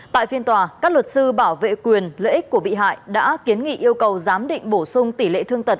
tại phiên tòa các luật sư bảo vệ quyền lợi ích của bị hại đã kiến nghị yêu cầu giám định bổ sung tỷ lệ thương tật